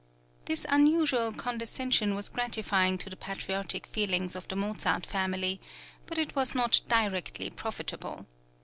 This unusual condescension was gratifying to the patriotic feelings of the Mozart family, but it was not directly profitable.